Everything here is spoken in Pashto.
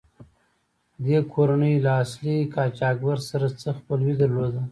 دې کورنۍ له اصلي قاچاقبر سره څه خپلوي درلوده.